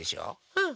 うん！